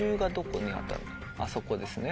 あそこですね。